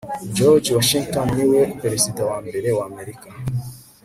george washington niwe perezida wa mbere w'amerika